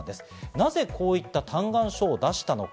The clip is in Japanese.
なぜ、こういった嘆願書を出したのか？